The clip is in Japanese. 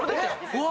うわ！